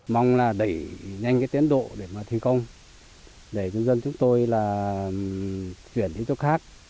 mong là đẩy nhanh cái tiến độ để mà thi công để nhân dân chúng tôi là chuyển đến chỗ khác